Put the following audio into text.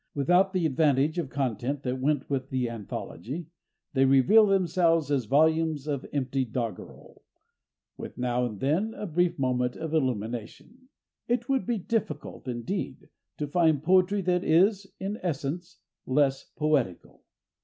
Without the advantage of content that went with the anthology, they reveal themselves as volumes of empty doggerel, with now and then a brief moment of illumination. It would be difficult, indeed, to find poetry that is, in essence, less poetical.